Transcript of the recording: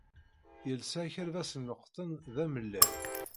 Yelsa akerbas n leqṭen d amellal.